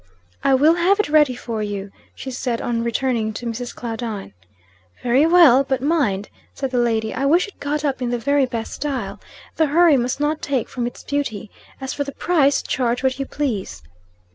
"I will have it ready for you," she said, on returning to Mrs. Claudine. "Very well. But mind," said the lady, "I wish it got up in the very best style. The hurry must not take from its beauty. As for the price, charge what you please."